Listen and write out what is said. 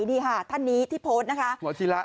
นี่ค่ะท่านนี้ที่โพสต์นะคะ